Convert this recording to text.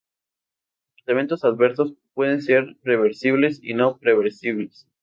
Los eventos adversos pueden ser previsibles y no previsibles.